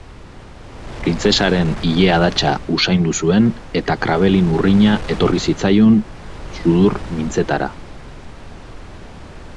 Printzesaren ile-adatsa usaindu zuen eta krabelin urrina etorri zitzaion sudur mintzetara.